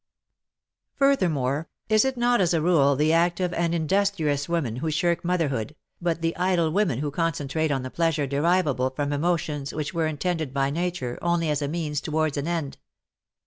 Furthermore, it is not as a rule the active and industrious women who shirk motherhood, but the idle women who concentrate on the pleasure derivable from emotions which were intended by nature only as a means towards an end.